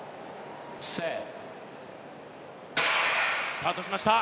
スタートしました。